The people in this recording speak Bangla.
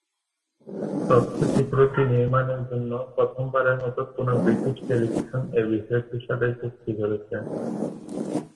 তথ্যচিত্রটি নির্মাণের জন্য প্রথমবারের মতো কোন ব্রিটিশ টেলিভিশন এই বিষয়টির সাথে চুক্তি করেছে।